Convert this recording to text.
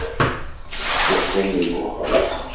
Iqqim deg-gexxam.